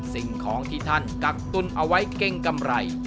สิ่งของที่ท่านกักตุ้นเอาไว้เก่งกำไร